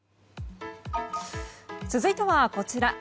続いてはこちら。